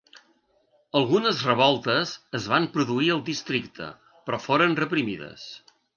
Algunes revoltes es van produir al districte però foren reprimides.